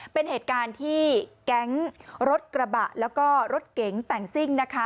เป็นเหตุการณ์ที่แก๊งรถกระบะแล้วก็รถเก๋งแต่งซิ่งนะคะ